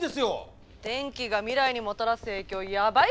電気が未来にもたらす影響やばいっすよ！